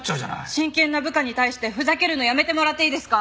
真剣な部下に対してふざけるのやめてもらっていいですか？